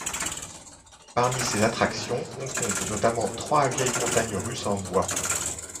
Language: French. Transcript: Parmi ses attractions on compte notamment trois vieilles montagnes russes en bois.